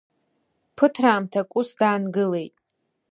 Ԥыҭраамҭак ус даангылеит.